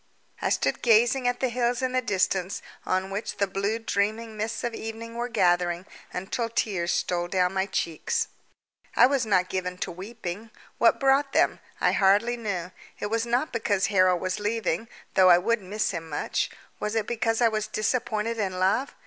I stood gazing at the hills in the distance on which the blue dreaming mists of evening were gathering, until tears stole down my cheeks. I was not given to weeping. What brought them? I hardly knew. It was not because Harold was leaving, though I would miss him much. Was it because I was disappointed in love?